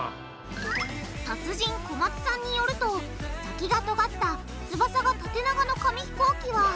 達人小松さんによると先がとがった翼が縦長の紙ひこうきは